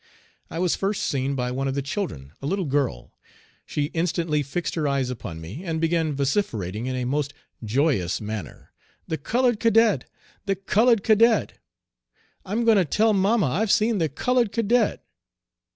I was first seen by one of the children, a little girl. She instantly fixed her eyes upon me, and began vociferating in a most joyous manner, "The colored cadet! the colored cadet! I'm going to tell mamma I've seen the colored cadet."